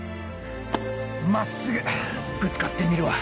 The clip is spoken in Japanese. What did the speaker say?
真っすぐぶつかってみるわ。